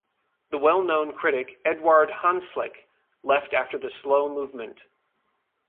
The well known critic Eduard Hanslick left after the slow movement.